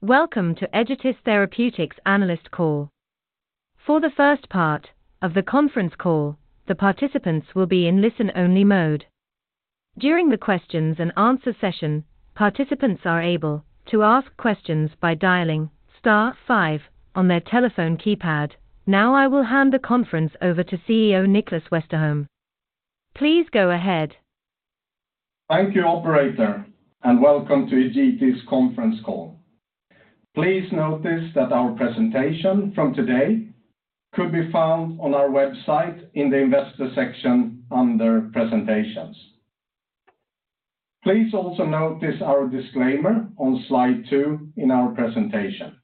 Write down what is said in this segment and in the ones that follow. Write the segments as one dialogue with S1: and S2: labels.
S1: Welcome to Egetis Therapeutics Analyst Call. For the first part of the conference call, the participants will be in listen-only mode. During the questions and answer session, participants are able to ask questions by dialing star five on their telephone keypad. Now, I will hand the conference over to CEO Nicklas Westerholm. Please go ahead.
S2: Thank you, Operator, and Welcome to Egetis Conference Call. Please notice that our presentation from today could be found on our website in the investor section under presentations. Please also notice our disclaimer on slide two in our presentation.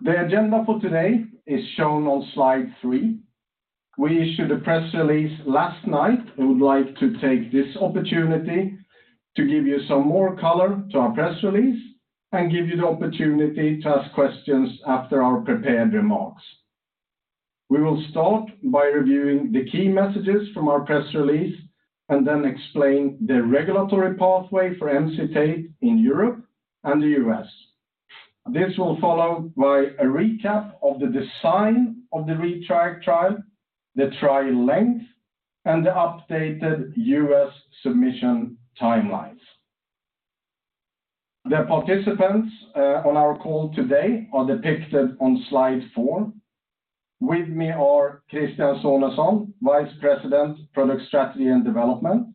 S2: The agenda for today is shown on slide three. We issued a press release last night and would like to take this opportunity to give you some more color to our press release and give you the opportunity to ask questions after our prepared remarks. We will start by reviewing the key messages from our press release and then explain the regulatory pathway for MCT8 in Europe and the U.S. This will follow by a recap of the design of the ReTRIACt trial, the trial length, and the updated U.S. submission timelines. The participants on our call today are depicted on slide four. With me are Christian Sonesson, Vice President, Product Strategy and Development,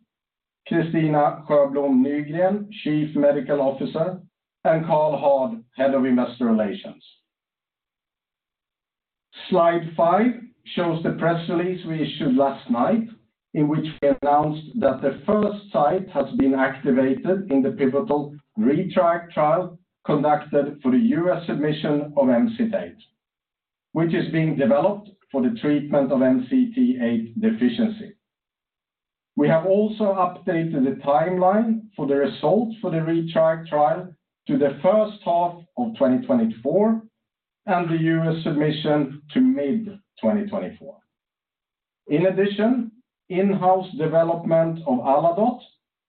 S2: Kristina Sjöblom Nygren, Chief Medical Officer, and Karl Hård, Head of Investor Relations. Slide five shows the press release we issued last night, in which we announced that the 1st site has been activated in the pivotal ReTRIACt trial conducted for the U.S. submission of MCT8, which is being developed for the treatment of MCT8 deficiency. We have also updated the timeline for the results for the ReTRIACt trial to the 1st half of 2024 and the U.S. submission to mid-2024. In addition, in-house development of Aladote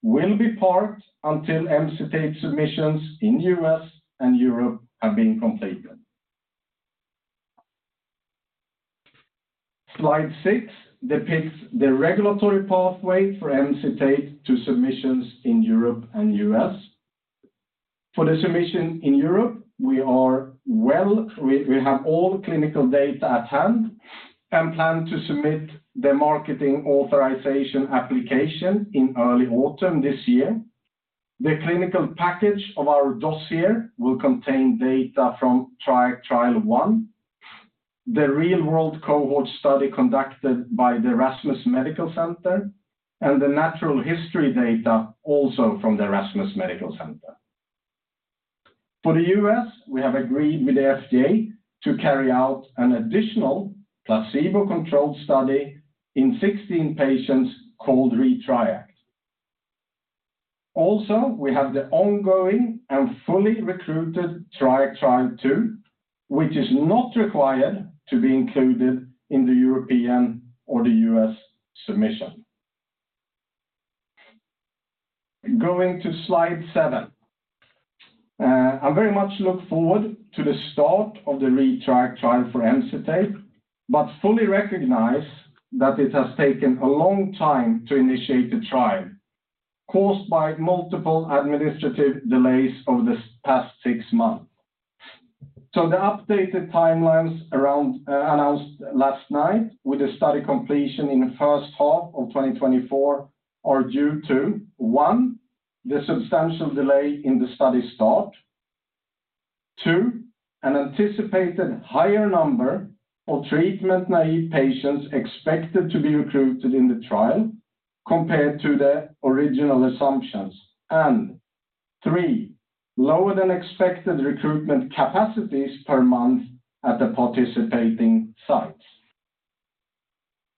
S2: will be parked until MCT8 submissions in U.S. and Europe have been completed. Slide six depicts the regulatory pathway for MCT8 to submissions in Europe and U.S. For the submission in Europe, we are well... We have all clinical data at hand and plan to submit the marketing authorization application in early autumn this year. The clinical package of our dossier will contain data from TRIAC Trial I, the real-world cohort study conducted by the Erasmus Medical Center, and the natural history data also from the Erasmus Medical Center. For the U.S., we have agreed with the FDA to carry out an additional placebo-controlled study in 16 patients called ReTRIACt. We have the ongoing and fully recruited TRIAC Trial II, which is not required to be included in the European or the U.S. submission. Going to slide seven. I very much look forward to the start of the ReTRIACt trial for MCT8, but fully recognize that it has taken a long time to initiate the trial, caused by multiple administrative delays over this past six months. The updated timelines around announced last night with a study completion in the first half of 2024 are due to, one, the substantial delay in the study start. Two, an anticipated higher number of treatment-naive patients expected to be recruited in the trial compared to the original assumptions. Three, lower than expected recruitment capacities per month at the participating sites.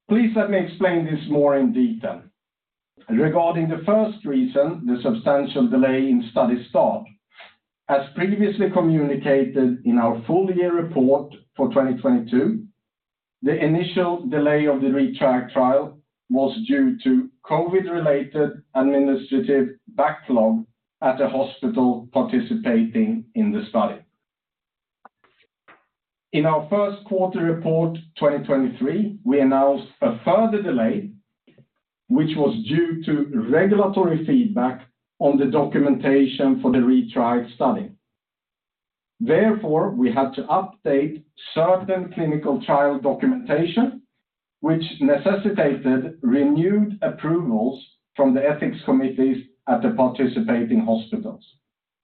S2: Please let me explain this more in detail. Regarding the first reason, the substantial delay in study start. As previously communicated in our full-year report for 2022, the initial delay of the ReTRIACt trial was due to COVID-19-related administrative backlog at a hospital participating in the study. In our first quarter report, 2023, we announced a further delay, which was due to regulatory feedback on the documentation for the ReTRIACt study. Therefore, we had to update certain clinical trial documentation, which necessitated renewed approvals from the ethics committees at the participating hospitals,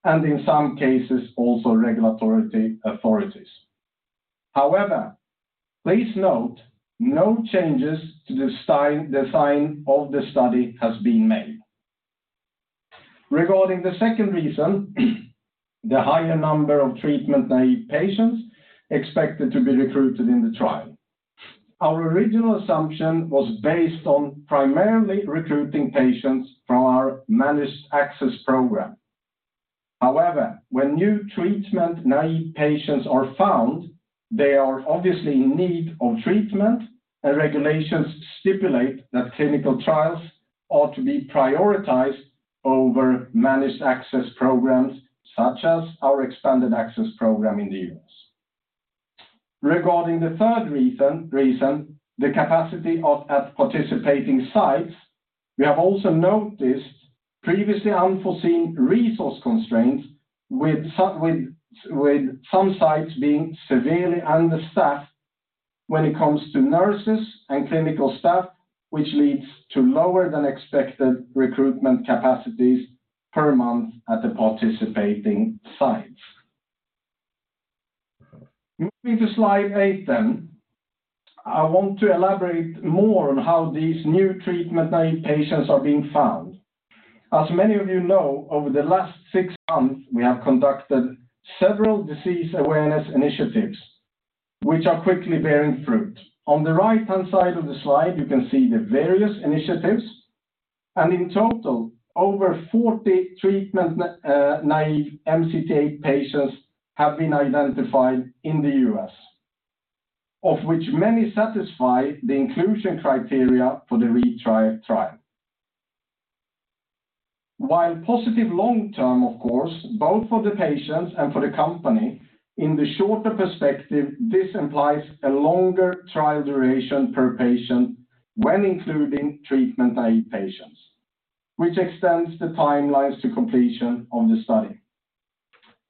S2: and in some cases, also regulatory authorities. However, please note, no changes to the design of the study has been made. Regarding the second reason, the higher number of treatment-naive patients expected to be recruited in the trial. Our original assumption was based on primarily recruiting patients from our managed access program. However, when new treatment-naive patients are found. They are obviously in need of treatment, and regulations stipulate that clinical trials are to be prioritized over managed access programs, such as our expanded access program in the U.S. Regarding the third reason, the capacity of at participating sites, we have also noticed previously unforeseen resource constraints with some sites being severely understaffed when it comes to nurses and clinical staff, which leads to lower than expected recruitment capacities per month at the participating sites. Moving to slide eight, I want to elaborate more on how these new treatment-naive patients are being found. As many of you know, over the last six months, we have conducted several disease awareness initiatives, which are quickly bearing fruit. On the right-hand side of the slide, you can see the various initiatives. In total, over 40 treatment-naive Emcitate patients have been identified in the US, of which many satisfy the inclusion criteria for the ReTRIACt trial. While positive long term, of course, both for the patients and for the company, in the shorter perspective, this implies a longer trial duration per patient when including treatment-naive patients, which extends the timelines to completion of the study.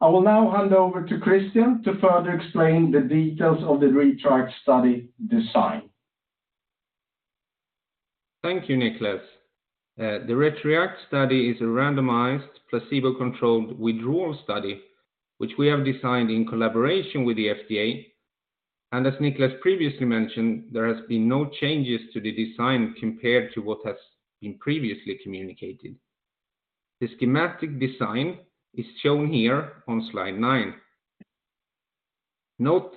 S2: I will now hand over to Christian to further explain the details of the ReTRIACt study design.
S3: Thank you, Nicklas. The ReTRIACt study is a randomized, placebo-controlled withdrawal study, which we have designed in collaboration with the FDA. As Nicklas previously mentioned, there has been no changes to the design compared to what has been previously communicated. The schematic design is shown here on slide nine. Note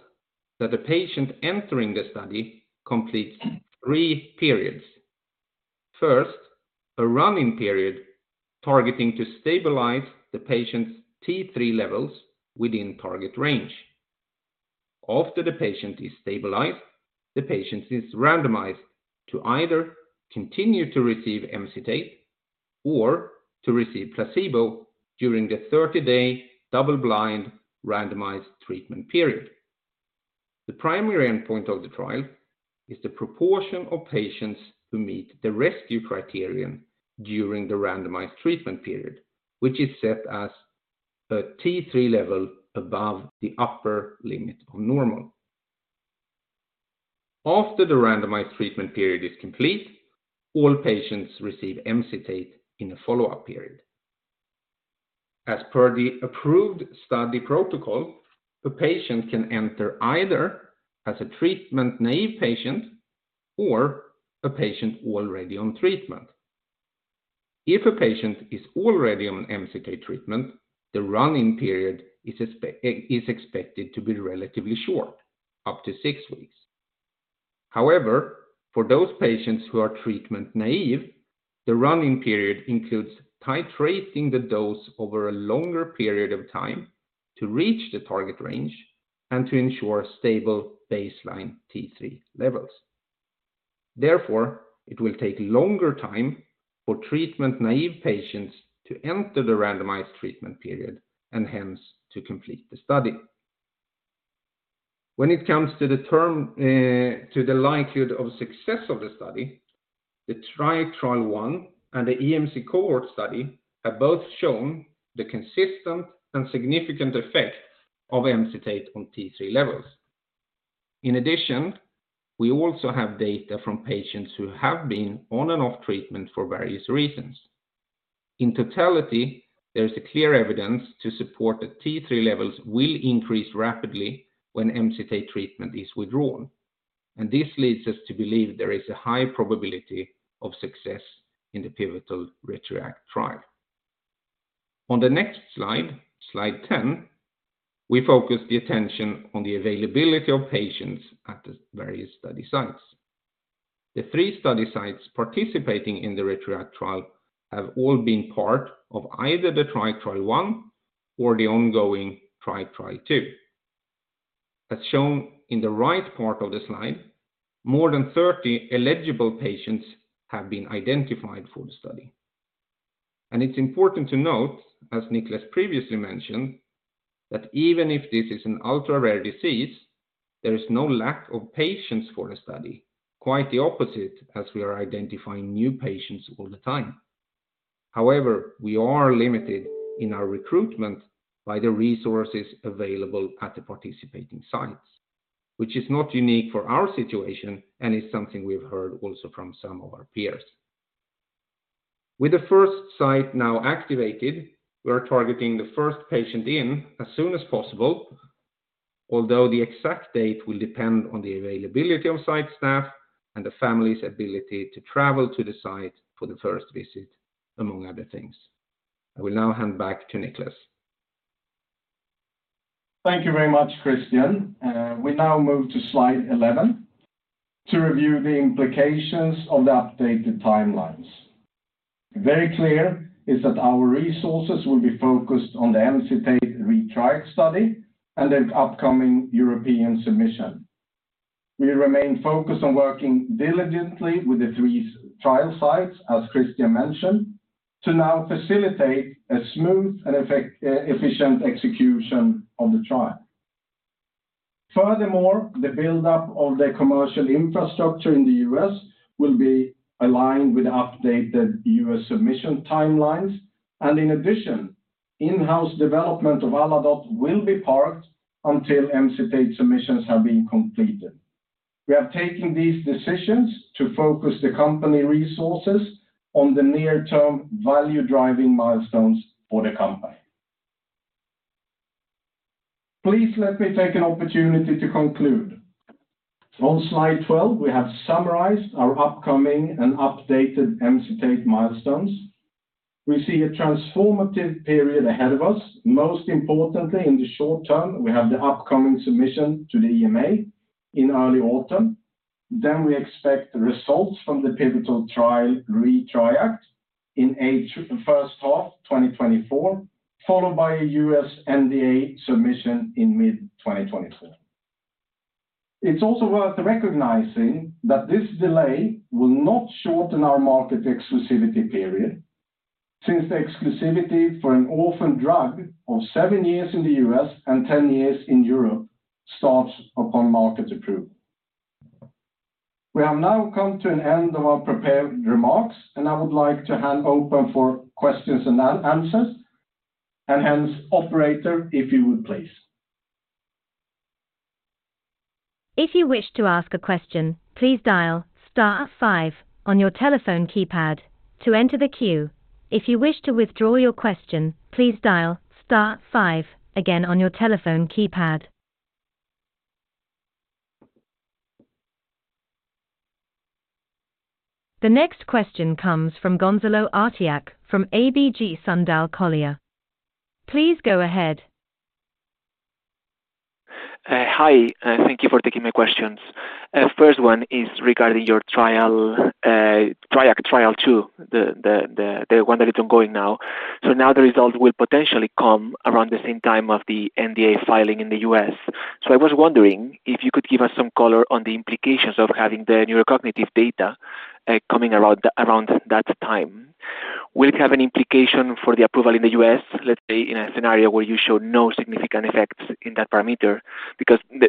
S3: that the patient entering the study completes three periods. First, a running period targeting to stabilize the patient's T3 levels within target range. After the patient is stabilized, the patient is randomized to either continue to receive Emcitate or to receive placebo during the 30-day double-blind randomized treatment period. The primary endpoint of the trial is the proportion of patients who meet the rescue criterion during the randomized treatment period, which is set as a T3 level above the upper limit of normal. After the randomized treatment period is complete, all patients receive Emcitate in a follow-up period. As per the approved study protocol, a patient can enter either as a treatment-naive patient or a patient already on treatment. If a patient is already on Emcitate treatment, the running period is expected to be relatively short, up to six weeks. However, for those patients who are treatment-naive, the running period includes titrating the dose over a longer period of time to reach the target range and to ensure stable baseline T3 levels. Therefore, it will take longer time for treatment-naive patients to enter the randomized treatment period and hence, to complete the study. When it comes to the term, to the likelihood of success of the study, the TRIAC Trial I and the EMC cohort study have both shown the consistent and significant effect of Emcitate on T3 levels. In addition, we also have data from patients who have been on and off treatment for various reasons. In totality, there is a clear evidence to support that T3 levels will increase rapidly when Emcitate treatment is withdrawn. This leads us to believe there is a high probability of success in the pivotal ReTRIACt trial. On the next slide 10, we focus the attention on the availability of patients at the various study sites. The three study sites participating in the ReTRIACt trial have all been part of either the TRIAC Trial I or the ongoing TRIAC Trial II. As shown in the right part of the slide, more than 30 eligible patients have been identified for the study. It's important to note, as Nicklas previously mentioned, that even if this is an ultra-rare disease, there is no lack of patients for the study. Quite the opposite, as we are identifying new patients all the time. However, we are limited in our recruitment by the resources available at the participating sites, which is not unique for our situation and is something we've heard also from some of our peers. With the first site now activated, we are targeting the first patient in as soon as possible, although the exact date will depend on the availability of site staff and the family's ability to travel to the site for the first visit, among other things. I will now hand back to Nicklas.
S2: Thank you very much, Christian. We now move to slide 11 to review the implications of the updated timelines. Very clear is that our resources will be focused on the Emcitate ReTRIACt study and the upcoming European submission. We remain focused on working diligently with the three trial sites, as Christian mentioned, to now facilitate a smooth and efficient execution of the trial. Furthermore, the build-up of the commercial infrastructure in the U.S. will be aligned with updated U.S. submission timelines. In addition, in-house development of Aladote will be parked until Emcitate submissions have been completed. We have taken these decisions to focus the company resources on the near-term value-driving milestones for the company. Please let me take an opportunity to conclude. On slide 12, we have summarized our upcoming and updated Emcitate milestones. We see a transformative period ahead of us, most importantly, in the short term, we have the upcoming submission to the EMA in early autumn. We expect results from the pivotal trial, ReTRIACt, in eight first half 2024, followed by a U.S. NDA submission in mid-2024. It's also worth recognizing that this delay will not shorten our market exclusivity period, since the exclusivity for an orphan drug of seven years in the U.S. and 10 years in Europe starts upon market approval. We have now come to an end of our prepared remarks, and I would like to hand open for questions and answers, operator, if you would, please.
S1: If you wish to ask a question, please dial star five on your telephone keypad to enter the queue. If you wish to withdraw your question, please dial star five again on your telephone keypad. The next question comes from Gonzalo Artiach from ABG Sundal Collier. Please go ahead.
S4: Hi, thank you for taking my questions. First one is regarding your trial, TRIAC Trial II, the one that is ongoing now. Now the result will potentially come around the same time of the NDA filing in the US. I was wondering if you could give us some color on the implications of having the neurocognitive data coming around that time. Will it have an implication for the approval in the US, let's say, in a scenario where you show no significant effects in that parameter?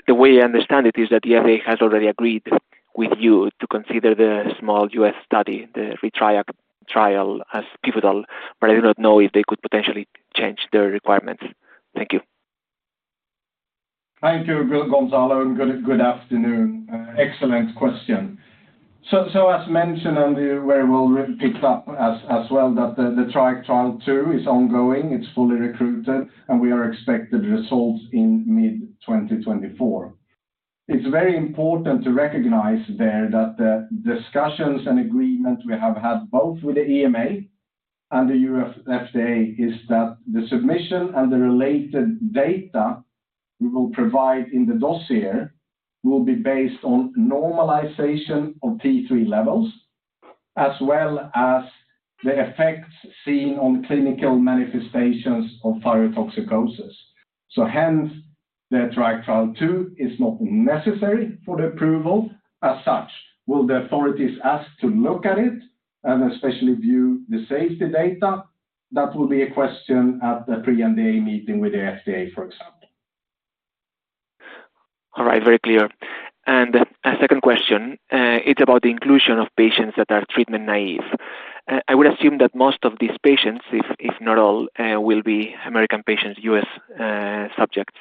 S4: The way I understand it is that the FDA has already agreed with you to consider the small US study, the ReTRIACt trial, as pivotal, but I do not know if they could potentially change their requirements. Thank you.
S2: Thank you, Gonzalo, good afternoon. Excellent question. As mentioned, we will pick up as well, that the TRIAC Trial II is ongoing, it's fully recruited, we are expected results in mid-2024. It's very important to recognize there that the discussions and agreement we have had, both with the EMA and the U.S. FDA, is that the submission and the related data we will provide in the dossier will be based on normalization of T3 levels, as well as the effects seen on clinical manifestations of thyrotoxicosis. Hence, the TRIAC Trial II is not necessary for the approval as such. Will the authorities ask to look at it and especially view the safety data? That will be a question at the pre-NDA meeting with the FDA, for example.
S4: All right, very clear. A second question, it's about the inclusion of patients that are treatment-naive. I would assume that most of these patients, if not all, will be American patients, U.S. subjects.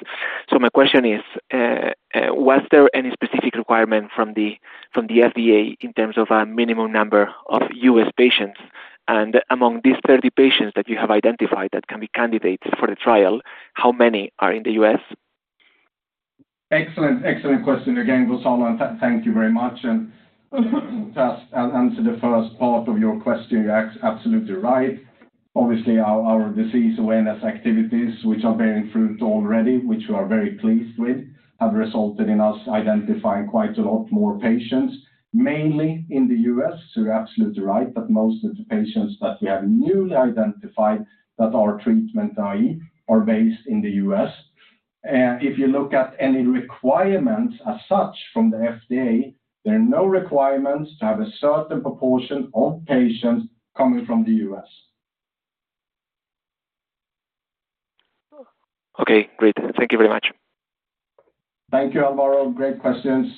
S4: My question is, was there any specific requirement from the FDA in terms of a minimum number of U.S. patients? Among these 30 patients that you have identified that can be candidates for the trial, how many are in the U.S.?
S2: Excellent question again, Gonzalo, thank you very much. Just answer the first part of your question. You're absolutely right. Obviously, our disease awareness activities, which are bearing fruit already, which we are very pleased with, have resulted in us identifying quite a lot more patients, mainly in the US. You're absolutely right that most of the patients that we have newly identified that are treatment-naive are based in the US. If you look at any requirements as such from the FDA, there are no requirements to have a certain proportion of patients coming from the US.
S4: Okay, great. Thank you very much.
S2: Thank you, Gonzalo. Great questions.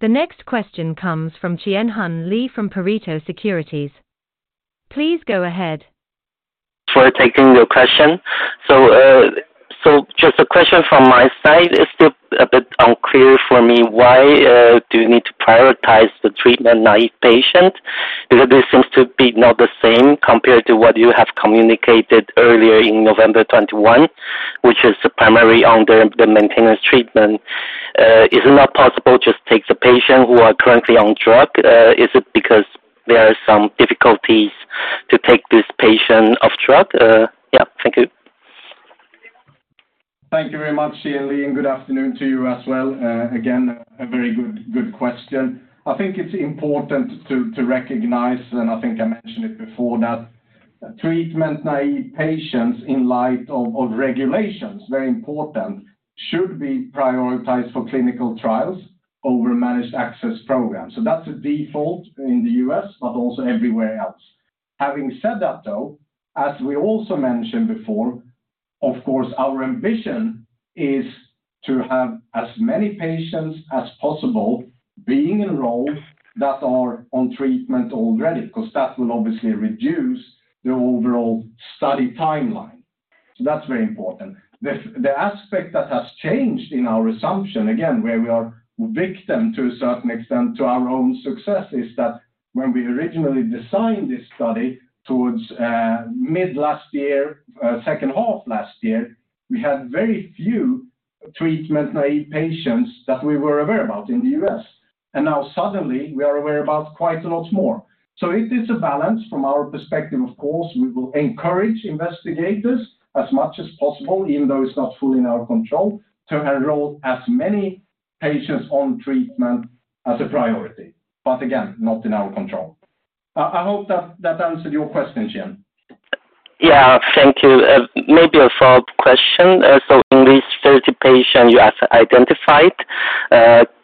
S1: The next question comes from Chien-Hsun Lee from Pareto Securities. Please go ahead.
S5: For taking your question. Just a question from my side. It's still a bit unclear for me, why do you need to prioritize the treatment-naive patient? This seems to be not the same compared to what you have communicated earlier in November 2021, which is primarily on the maintenance treatment. Who are currently on drug, is it because there are some difficulties to take this patient off drug? Yeah, thank you.
S2: Thank you very much, Chien-Hsun Lee, and good afternoon to you as well. Again, a very good question. I think it's important to recognize, and I think I mentioned it before, that treatment-naive patients in light of regulations, very important, should be prioritized for clinical trials over managed access programs. That's a default in the US, but also everywhere else. Having said that, though, as we also mentioned before, of course, our ambition is to have as many patients as possible being enrolled that are on treatment already, 'cause that will obviously reduce the overall study timeline. That's very important. The aspect that has changed in our assumption, again, where we are victim to a certain extent, to our own success, is that when we originally designed this study towards mid last year, second half last year, we had very few treatment-naive patients that we were aware about in the U.S. Now suddenly, we are aware about quite a lot more. It is a balance from our perspective, of course, we will encourage investigators as much as possible, even though it's not fully in our control, to enroll as many patients on treatment as a priority, but again, not in our control. I hope that answered your question, Chien.
S5: Yeah, thank you. Maybe a follow-up question. In these 30 patients you have identified,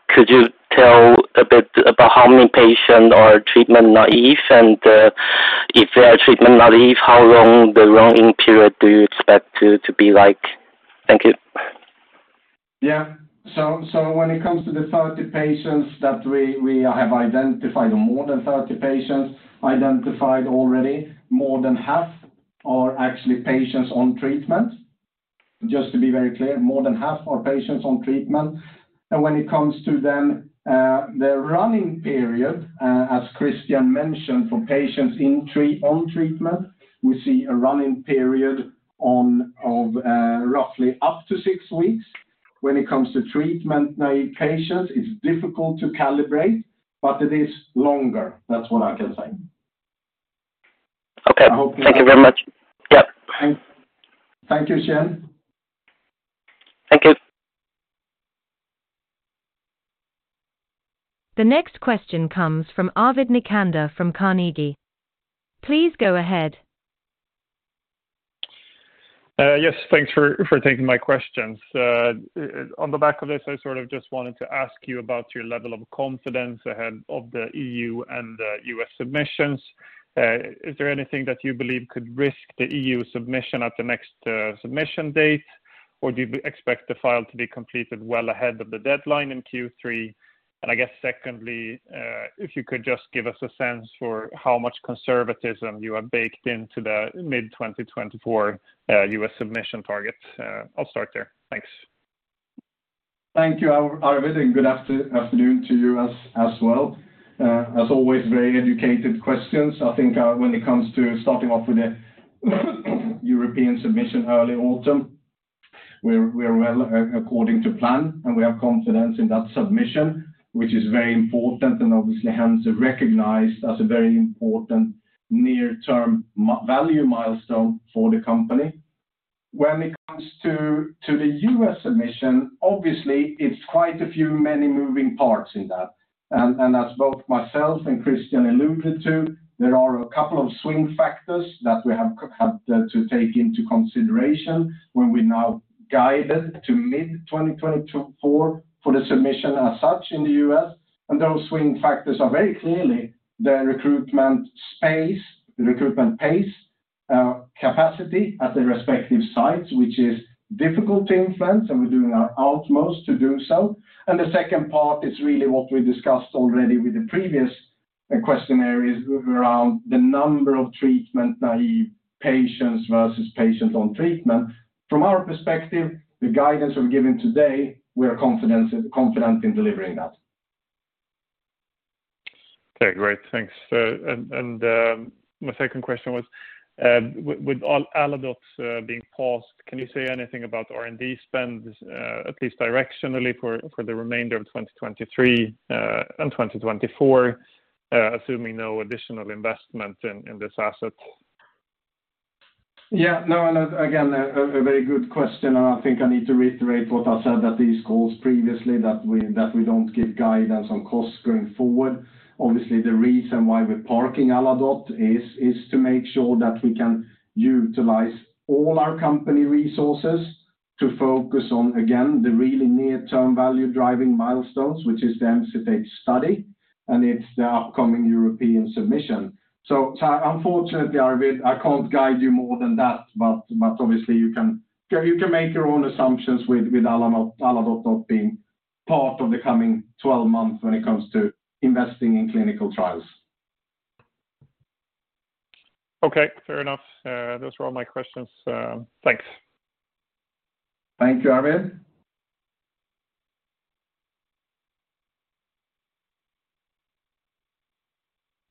S5: could you tell a bit about how many patients are treatment-naive? If they are treatment-naive, how long the running period do you expect to be like? Thank you.
S2: Yeah. When it comes to the 30 patients that we have identified, more than 30 patients identified already, more than half are actually patients on treatment. Just to be very clear, more than half are patients on treatment. When it comes to the running period, as Christian mentioned, for patients on treatment, we see a running period of roughly up to six weeks. When it comes to treatment-naive patients, it's difficult to calibrate, but it is longer. That's what I can say.
S5: Okay.
S2: I hope-
S5: Thank you very much. Yep.
S2: Thank you, Chien.
S5: Thank you.
S1: The next question comes from Arvid Necander from Carnegie. Please go ahead.
S6: Yes, thanks for taking my questions. On the back of this, I sort of just wanted to ask you about your level of confidence ahead of the EU and the US submissions. Is there anything that you believe could risk the EU submission at the next submission date? Do you expect the file to be completed well ahead of the deadline in Q3? I guess secondly, if you could just give us a sense for how much conservatism you have baked into the mid-2024 US submission target. I'll start there. Thanks.
S2: Thank you, Arvid, and good afternoon to you as well. As always, very educated questions. I think, when it comes to starting off with the European submission early autumn, we're well according to plan, and we have confidence in that submission, which is very important and obviously hence recognized as a very important near-term value milestone for the company. When it comes to the US submission, obviously, it's quite a few many moving parts in that. As both myself and Christian alluded to, there are a couple of swing factors that we have to take into consideration when we now guide it to mid 2024 for the submission as such in the US. Those swing factors are very clearly the recruitment space, the recruitment pace, capacity at the respective sites, which is difficult to influence, and we're doing our utmost to do so. The second part is really what we discussed already with the previous question areas around the number of treatment-naive patients versus patients on treatment. From our perspective, the guidance we've given today, we are confident in delivering that.
S6: Okay, great. Thanks. My second question was with Aladote being paused, can you say anything about R&D spend at least directionally for the remainder of 2023 and 2024, assuming no additional investment in this asset?
S2: And again, a very good question, and I think I need to reiterate what I said at these calls previously, that we don't give guidance on costs going forward. Obviously, the reason why we're parking Aladote is to make sure that we can utilize all our company resources to focus on, again, the really near-term value-driving milestones, which is the Emcitate study, and it's the upcoming European submission. Unfortunately, Arvid, I can't guide you more than that, but obviously, you can make your own assumptions with Aladote not being part of the coming 12 months when it comes to investing in clinical trials.
S6: Okay, fair enough. Those were all my questions. Thanks.
S2: Thank you, Arvid.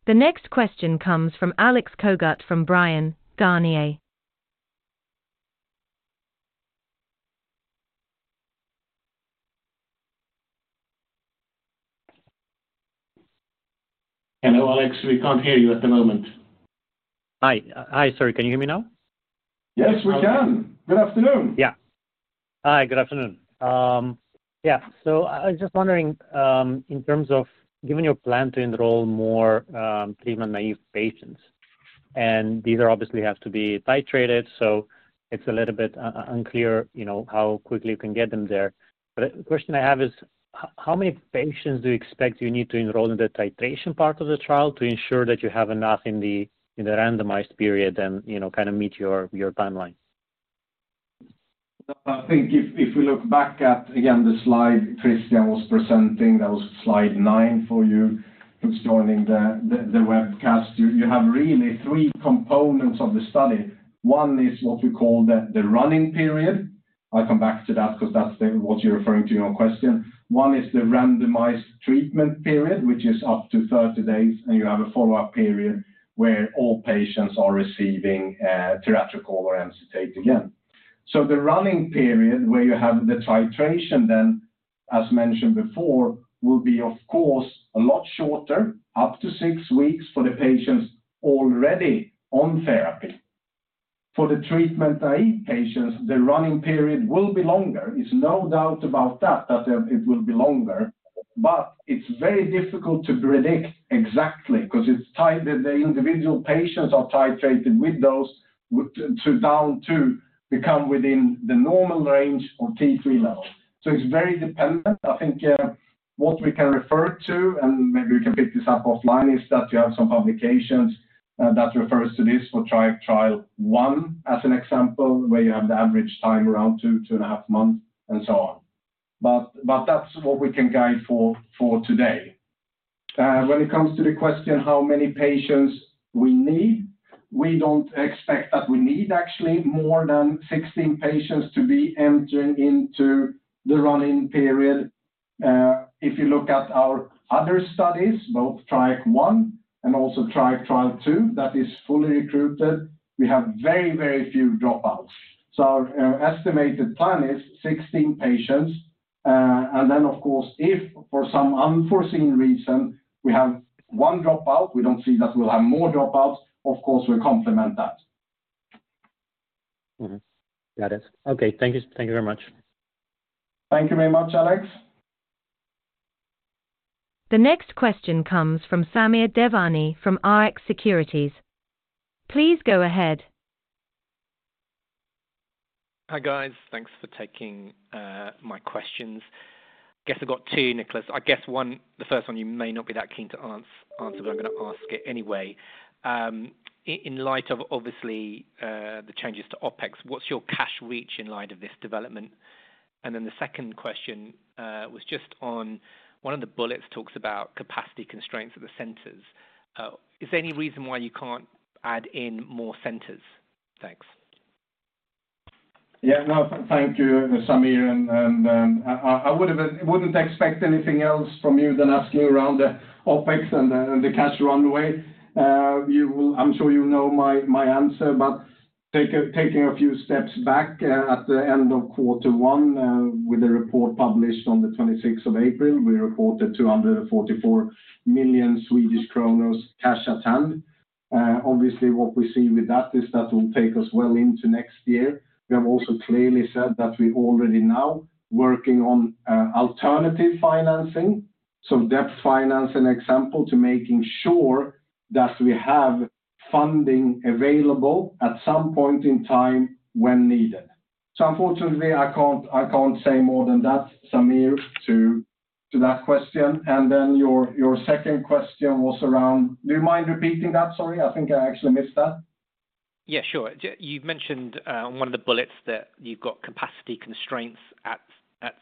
S1: The next question comes from Alex Cogut from Bryan, Garnier & Co.
S2: Hello, Alex, we can't hear you at the moment.
S7: Hi, hi. Sorry, can you hear me now?
S2: Yes, we can. Good afternoon.
S7: Yeah. Hi, good afternoon. I was just wondering, in terms of giving your plan to enroll more treatment-naive patients, and these are obviously have to be titrated, it's a little bit unclear, you know, how quickly you can get them there. The question I have is, how many patients do you expect you need to enroll in the titration part of the trial to ensure that you have enough in the, in the randomized period and, you know, kinda meet your timeline?
S2: I think if we look back at, again, the slide Christian was presenting, that was slide nine for you, who's joining the webcast, you have really three components of the study. One is what we call the running period. I'll come back to that because that's what you're referring to in your question. One is the randomized treatment period, which is up to 30 days, and you have a follow-up period where all patients are receiving tiratricol or Emcitate again. The running period where you have the titration then, as mentioned before, will be, of course, a lot shorter, up to six weeks for the patients already on therapy. For the treatment-naive patients, the running period will be longer. It's no doubt about that it will be longer, but it's very difficult to predict exactly, 'cause it's tied to the individual patients are titrated with those down to become within the normal range of T3 level. It's very dependent. I think, what we can refer to, and maybe we can pick this up offline, is that you have some publications that refers to this for TRIAC Trial I, as an example, where you have the average time around 2 and a half months, and so on. That's what we can guide for today. When it comes to the question, how many patients we need, we don't expect that we need actually more than 16 patients to be entering into the running period. If you look at our other studies, both TRIAC Trial I and also TRIAC Trial II, that is fully recruited, we have very, very few dropouts. Our estimated plan is 16 patients. Of course, if for some unforeseen reason, we have one dropout, we don't see that we'll have more dropouts, of course, we complement that.
S7: Mm-hmm. Got it. Okay, thank you. Thank you very much.
S2: Thank you very much, Alex.
S1: The next question comes from Samir Devani from Rx Securities. Please go ahead.
S8: Hi, guys. Thanks for taking my questions. Guess I've got two, Nicklas. I guess one, the first one you may not be that keen to answer, but I'm gonna ask it anyway. In light of obviously, the changes to OpEx, what's your cash reach in light of this development? The second question was just on one of the bullets, talks about capacity constraints of the centers. Is there any reason why you can't add in more centers? Thanks.
S2: Well, thank you, Samir. I wouldn't expect anything else from you than asking around the OpEx and the cash runway. I'm sure you know my answer, but taking a few steps back, at the end of quarter one, with the report published on the 26th of April, we reported 244 million cash at hand. Obviously, what we see with that is that will take us well into next year. We have also clearly said that we already now working on alternative financing, some debt finance, an example, to making sure that we have funding available at some point in time when needed. Unfortunately, I can't say more than that, Samir, to that question. Your second question was around... Do you mind repeating that, sorry? I think I actually missed that.
S8: Yeah, sure. You've mentioned on one of the bullets that you've got capacity constraints at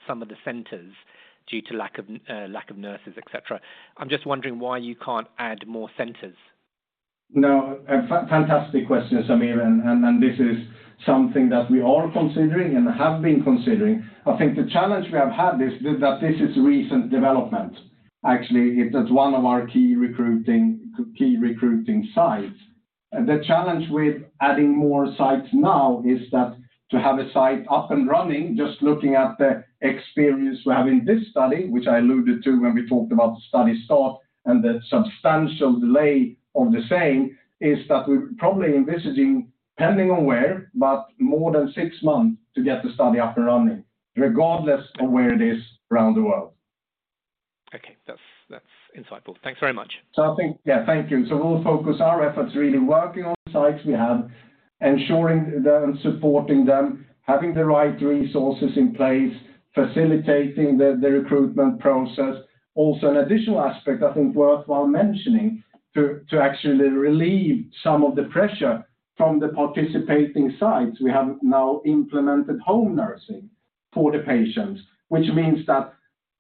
S8: some of the centers due to lack of nurses, et cetera. I'm just wondering why you can't add more centers.
S2: No, a fantastic question, Samir, and this is something that we are considering and have been considering. I think the challenge we have had is that this is recent development. Actually, it is one of our key recruiting sites. The challenge with adding more sites now is that to have a site up and running, just looking at the experience we have in this study, which I alluded to when we talked about the study start and the substantial delay of the same, is that we're probably envisaging, pending on where, but more than six months to get the study up and running, regardless of where it is around the world.
S8: Okay, that's insightful. Thanks very much.
S2: I think, yeah, thank you. We'll focus our efforts really working on sites we have, ensuring them, supporting them, having the right resources in place, facilitating the recruitment process. Also, an additional aspect, I think, worthwhile mentioning, to actually relieve some of the pressure from the participating sites, we have now implemented home nursing for the patients, which means that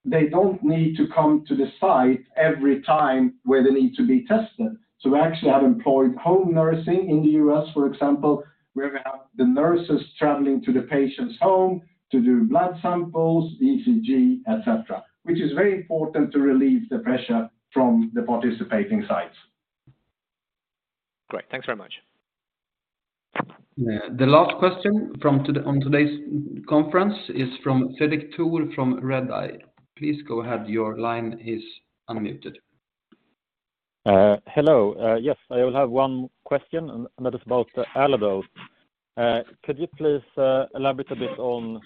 S2: they don't need to come to the site every time where they need to be tested. We actually have employed home nursing in the U.S., for example, where we have the nurses traveling to the patient's home to do blood samples, ECG, et cetera, which is very important to relieve the pressure from the participating sites.
S8: Great, thanks very much.
S1: The last question on today's conference is from Fredrik Thor from Redeye. Please go ahead. Your line is unmuted.
S9: Hello. Yes, I will have one question, and that is about the Aladote. Could you please elaborate a bit on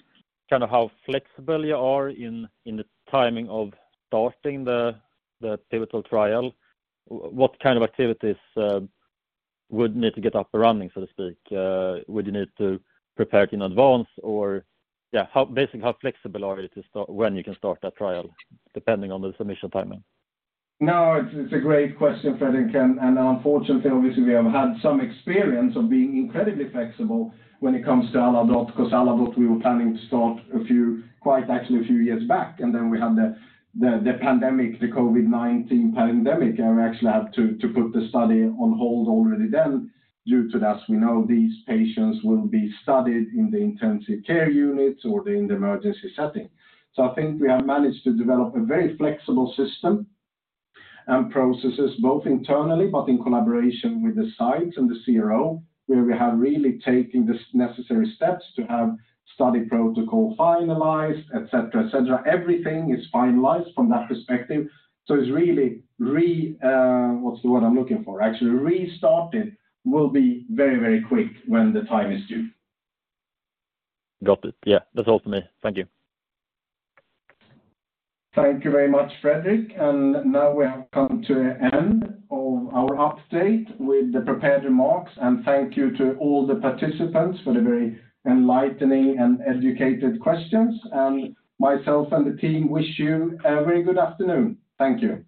S9: kind of how flexible you are in the timing of starting the pivotal trial? What kind of activities would need to get up and running, so to speak? Would you need to prepare it in advance or, yeah, how basically, how flexible are you to start, when you can start that trial, depending on the submission timing?
S2: No, it's a great question, Fredrik, unfortunately, obviously, we have had some experience of being incredibly flexible when it comes to Aladote, because Aladote, we were planning to start a few, quite actually a few years back, and then we had the pandemic, the COVID-19 pandemic, and we actually had to put the study on hold already then due to that. We know these patients will be studied in the intensive care units or in the emergency setting. I think we have managed to develop a very flexible system and processes, both internally, but in collaboration with the site and the CRO, where we have really taking the necessary steps to have study protocol finalized, et cetera, et cetera. Everything is finalized from that perspective, so it's really... What's the word I'm looking for? Actually, restarting will be very, very quick when the time is due.
S9: Got it. Yeah, that's all for me. Thank you.
S2: Thank you very much, Fredrik. Now we have come to an end of our update with the prepared remarks, thank you to all the participants for the very enlightening and educated questions. Myself and the team wish you a very good afternoon. Thank you.